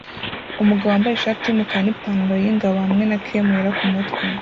Umugabo wambaye ishati yumukara nipantaro yingabo hamwe na cream yera kumutwe